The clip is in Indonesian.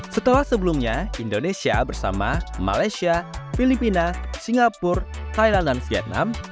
setelah sebelumnya indonesia bersama malaysia filipina singapura thailand dan vietnam